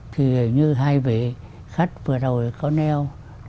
thì hình như hai vị khách vừa đầu có neo